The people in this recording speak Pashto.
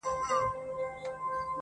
په کوم دلیل ورځې و میکدې ته قاسم یاره,